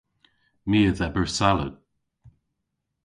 My a dheber salad.